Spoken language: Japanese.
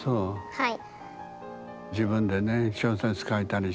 はい。